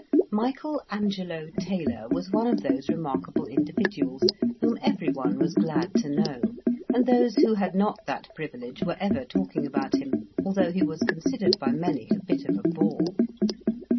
Michael Angelo Taylor was one of those remarkable individuals whom everyone was glad to know; and those who had not that privilege were ever talking about him, although he was considered by many a bit of a bore.